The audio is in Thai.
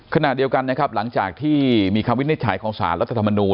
ขณะเดียวกันนะครับหลังจากที่มีคำวินิจฉัยของสารรัฐธรรมนูล